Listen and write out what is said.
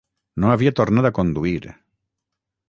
No havia tornat a conduir...